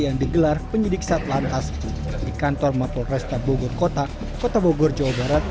yang digelar penyidik sat lantas di kantor motor restabogor kota kota bogor jawa barat